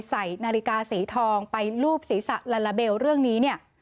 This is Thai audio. ใส่นาฬิกาสีทองไปลูบศีรษะลาลาเบลเรื่องนี้เนี่ย